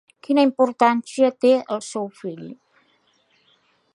Quina importància té el seu fill?